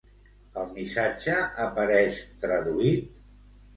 El missatge apareix traduït?